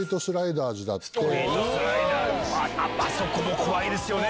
あそこも怖いですよね！